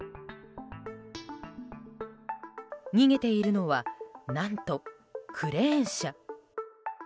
逃げているのは何と、クレーン車。